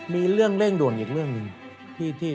มีเรื่องเร่งด่วนอีกเรื่องหนึ่ง